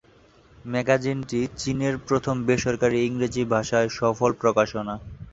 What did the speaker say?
ম্যাগাজিনটি চীনের প্রথম বেসরকারী ইংরেজি ভাষার সফল প্রকাশনা।